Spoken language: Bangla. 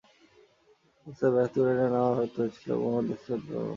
টসে হেরে ব্যাট করতে নেমে ভারত পড়েছিল মোহাম্মদ আসিফের তোপের মুখে।